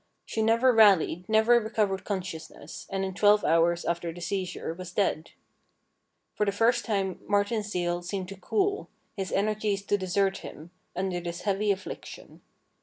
She never rallied, never recovered consciousness, and in twelve hours after the seizure was dead. For the first time Martin's zeal seemed to cool, his energies to desert him, under this heavy affliction.